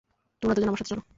তোমরা দুজন, আমার সাথে চল।